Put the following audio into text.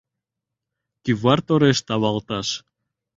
Кӱвар тореш тавалташ.